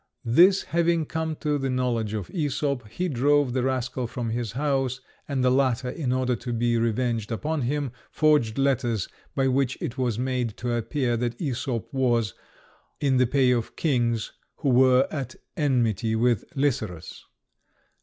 This having come to the knowledge of Æsop, he drove the rascal from his house, and the latter, in order to be revenged upon him, forged letters by which it was made to appear that Æsop was in the pay of kings who were at enmity with Lycerus.